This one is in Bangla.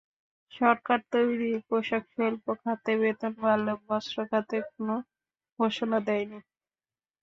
সরকার তৈরি পোশাকশিল্প খাতে বেতন বাড়ালেও বস্ত্র খাতে কোনো ঘোষণা দেয়নি।